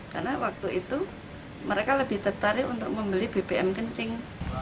karena waktu itu mereka lebih tertarik untuk membeli bbm kencing